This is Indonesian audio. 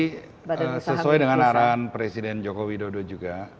pak eko ini juga bisa diperlukan jadi sesuai dengan arahan presiden joko widodo juga